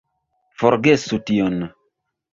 Forgesu tion!